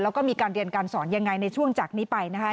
แล้วก็มีการเรียนการสอนยังไงในช่วงจากนี้ไปนะคะ